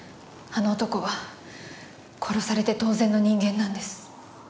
あの男は殺されて当然の人間なんです。